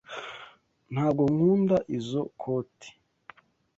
Ntabwo nkunda izoi koti.